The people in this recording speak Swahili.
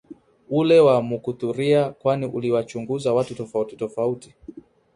ule wa Mukuthuria kwani uliwachunguza watu tofauti tofauti